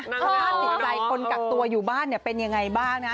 สภาพจิตใจคนกักตัวอยู่บ้านเนี่ยเป็นยังไงบ้างนะ